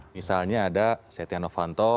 misalnya ada setia novanto